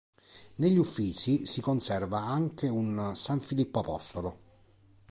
Negli Uffizi si conserva anche un "San Filippo apostolo".